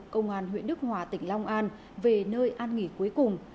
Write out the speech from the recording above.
công an huyện đức hòa tỉnh long an về nơi an nghỉ cuối cùng